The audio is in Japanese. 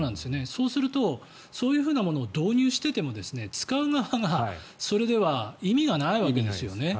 そうするとそういうものを導入していても使う側がそれでは意味がないわけですよね。